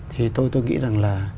thì tôi nghĩ rằng là